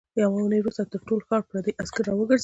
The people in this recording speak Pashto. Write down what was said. يوه اوونۍ وروسته تر ټول ښار پردي عسکر راوګرځېدل.